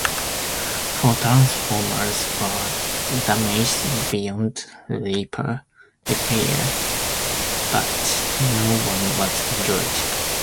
Four transformers were damaged beyond repair, but no one was injured.